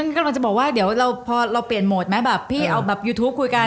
กำลังจะบอกว่าเดี๋ยวเราพอเราเปลี่ยนโหมดไหมแบบพี่เอาแบบยูทูปคุยกัน